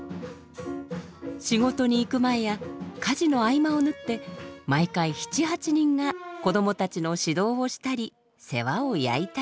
仕事に行く前や家事の合間を縫って毎回７８人が子供たちの指導をしたり世話を焼いたり。